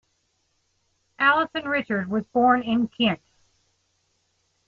Alison Richard was born in Kent.